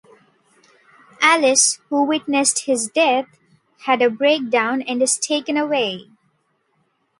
Alice, who witnesses his death, has a breakdown and is taken away.